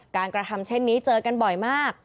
กระทำเช่นนี้เจอกันบ่อยมาก